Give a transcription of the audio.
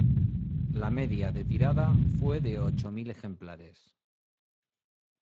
La media de tirada fue de ocho mil ejemplares.